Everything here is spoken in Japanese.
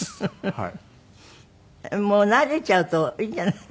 はい。